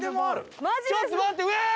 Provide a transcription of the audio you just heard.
ちょっと待ってええー！